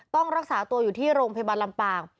ต้องรักษาตัวอยู่ที่โรงพยาบาลลำปาง